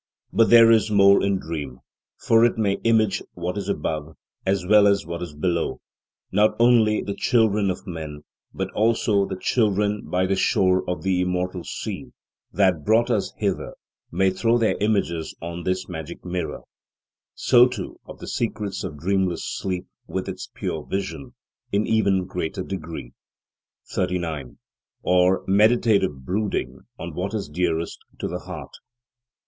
But there is more in dream, for it may image what is above, as well as what is below; not only the children of men, but also the children by the shore of the immortal sea that brought us hither, may throw their images on this magic mirror: so, too, of the secrets of dreamless sleep with its pure vision, in even greater degree. 39. Or meditative brooding on what is dearest to the heart.